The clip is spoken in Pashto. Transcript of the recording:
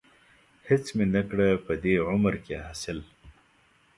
هېڅ مې نه کړه په دې عمر کې حاصل.